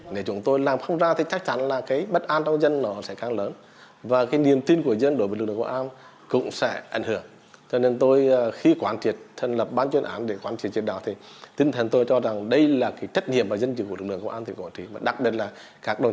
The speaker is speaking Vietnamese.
để chúng tôi làm không ra thì chắc chắn là cái bất an trong dân nó sẽ càng lớn và cái niềm tin của dân đối với lực lượng của an cũng sẽ ảnh hưởng